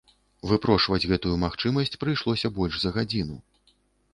Выпрошваць гэтую магчымасць прыйшлося больш за гадзіну.